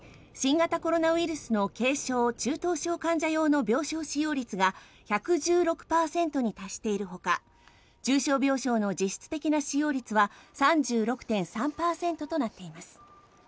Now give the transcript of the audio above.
大阪府では昨日現在新型コロナウイルスの軽症・中等症患者用の病床使用率が１１６％に達しているほか重症病床の実質的使用率は３６．３％となっています。